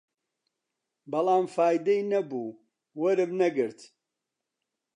بەڵام فایدەی نەبوو، وەرم نەگرت